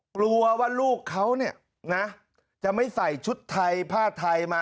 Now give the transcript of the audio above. กลัวว่าลูกเขาเนี่ยนะจะไม่ใส่ชุดไทยผ้าไทยมา